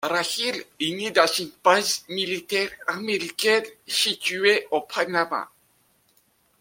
Rachel est née dans une base militaire américaine située au Panama.